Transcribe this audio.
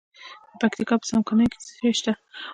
د پکتیا په څمکنیو کې څه شی شته؟